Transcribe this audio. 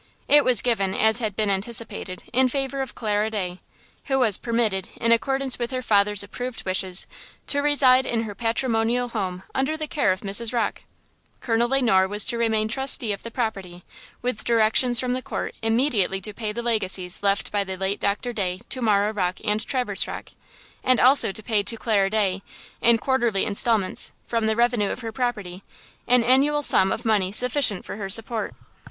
It was given, as had been anticipated, in favor of Clara Day, who was permitted, in accordance with her father's approved wishes, to reside in her patrimonial home under the care of Mrs. Rocke. Colonel Le Noir was to remain trustee of the property, with directions from the court immediately to pay the legacies left by the late Doctor Day to Marah Rocke and Traverse Rocke, and also to pay to Clara Day, in quarterly instalments, from the revenue of her property, an annual sum of money sufficient for her support.